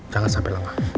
jangan sampai lengah